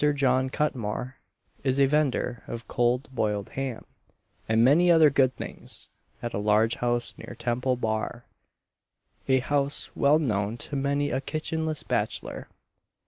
John Cutmore is a vender of cold boiled ham, and many other good things, at a large house near Temple Bar a house well known to many a kitchenless bachelor.